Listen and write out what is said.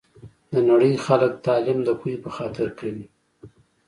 د نړۍ خلګ تعلیم د پوهي په خاطر کوي